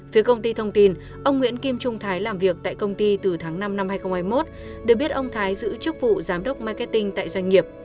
phía công ty thông tin ông nguyễn kim trung thái làm việc tại công ty từ tháng năm năm hai nghìn hai mươi một được biết ông thái giữ chức vụ giám đốc marketing tại doanh nghiệp